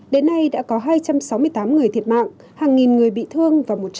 đến nay đã có hai trăm sáu mươi tám người thiệt mạng hàng nghìn người bị thương và một trăm năm mươi người vẫn mất tích